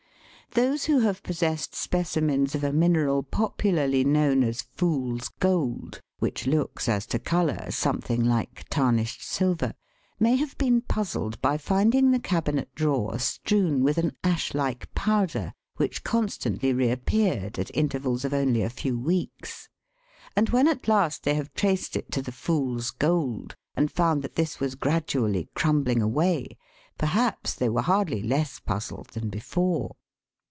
Those who have possessed specimens of a mineral popularly known as "fool's gold," which looks, as to colour, something like tarnished silver, may have been puzzled by finding the cabinet drawer strewn with an ash like powder, which constantly re appeared at intervals of only a few weeks. And when at last they have traced it to the " fool's gold " and found that this was gradually crumbling away, perhaps they were hardly less puzzled than before.